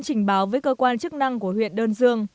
trình báo với cơ quan chức năng của huyện đơn dương